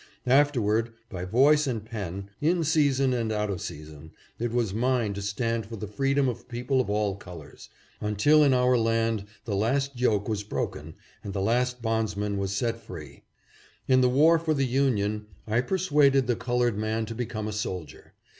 Afterward, by voice and pen, in season and out of season, it was mine to stand for the freedom of people of all colors, until in our land the last yoke was broken and the last bondsman was set free. In the war for the Union I persuaded the colored man to become a soldier.